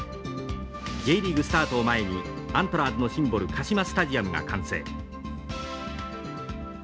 Ｊリーグスタートを前にアントラーズのシンボルカシマスタジアムが完成。